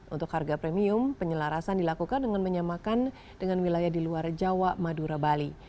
untuk harga premium penyelarasan dilakukan dengan menyamakan dengan wilayah di luar jawa madura bali